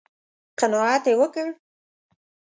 _قناعت يې وکړ؟